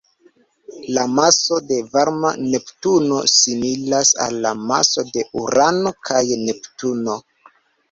La maso de varma Neptuno similas al la maso de Urano kaj Neptuno.